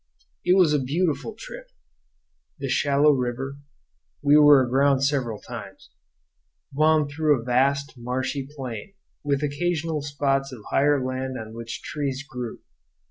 It was a beautiful trip. The shallow river we were aground several times wound through a vast, marshy plain, with occasional spots of higher land on which trees grew.